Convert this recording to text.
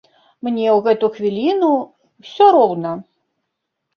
Мне ў гэту хвіліну ўсё роўна.